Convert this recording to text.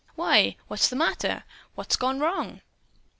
"Why, what's the matter? What has gone wrong?"